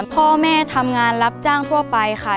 พ่อแม่ทำงานรับจ้างทั่วไปค่ะ